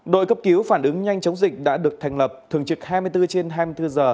đội cấp cứu phản ứng nhanh chống dịch đã được thành lập thường trực hai mươi bốn trên hai mươi bốn giờ